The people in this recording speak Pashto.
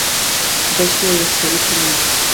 دښتې او یخچالي سیمې.